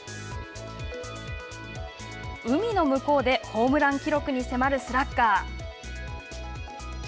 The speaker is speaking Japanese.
海の向こうでホームラン記録に迫るスラッガー。